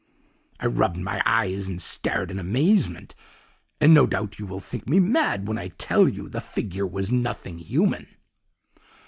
"'I rubbed my eyes and stared in amazement, and no doubt you will think me mad when I tell you the figure was nothing human.